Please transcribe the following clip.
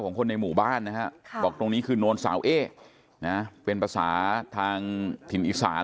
คนในหมู่บ้านนะฮะบอกตรงนี้คือโนนสาวเอ๊นะเป็นภาษาทางถิ่นอีสาน